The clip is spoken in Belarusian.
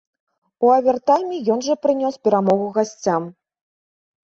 У авертайме ён жа прынёс перамогу гасцям.